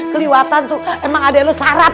kelihatan emang adik kamu sarap